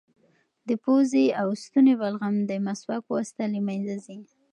د پوزې او ستوني بلغم د مسواک په واسطه له منځه ځي.